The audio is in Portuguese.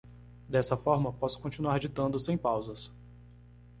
Dessa forma, posso continuar ditando sem pausas.